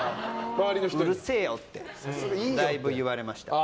うるせえよってだいぶ言われました。